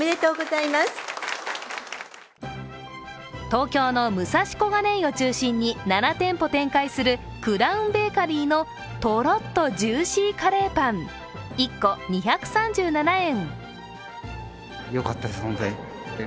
東京の武蔵小金井を中心に７店舗展開するクラウンベーカリーのとろっとジューシーカレーパン１個２３７円。